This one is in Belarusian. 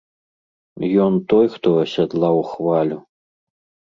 Ён той хто, асядлаў хвалю.